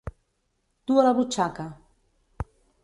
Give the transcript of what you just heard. Dur a la butxaca.